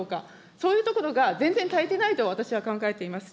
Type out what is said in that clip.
そういうところが全然足りてないと私は考えています。